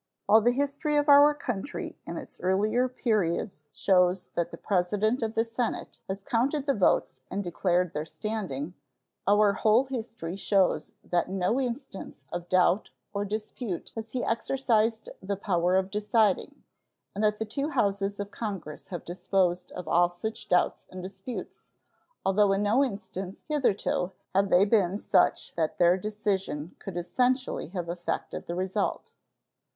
While the history of our country in its earlier periods shows that the President of the Senate has counted the votes and declared their standing, our whole history shows that in no instance of doubt or dispute has he exercised the power of deciding, and that the two Houses of Congress have disposed of all such doubts and disputes, although in no instance hitherto have they been such that their decision could essentially have affected the result.